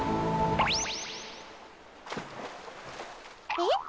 えっ？